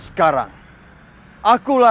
serahkan nyalomu siliwangi